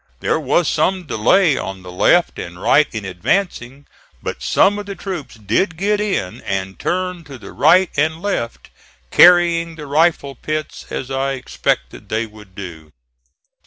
There was some delay on the left and right in advancing, but some of the troops did get in and turn to the right and left, carrying the rifle pits as I expected they would do.